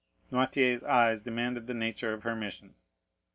Noirtier's eyes demanded the nature of her mission.